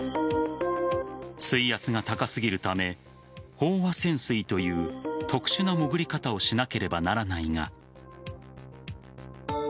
水圧が高すぎるため飽和潜水という特殊な潜り方をしなければならないが。